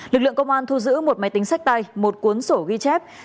lực lượng công an thu giữ một máy tính sách tay một cuốn sổ ghi chép